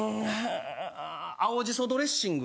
青じそドレッシング。